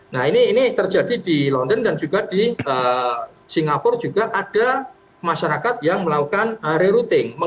nah ini terjadi di london dan juga di singapura juga ada masyarakat yang melakukan rerouting